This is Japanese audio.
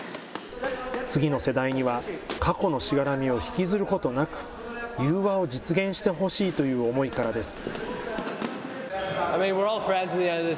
次の世代には、過去のしがらみを引きずることなく、融和を実現してほしいという思いからです。